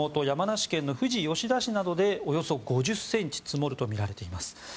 山梨県の富士吉田市などでおよそ５０ｃｍ積もるとみられています。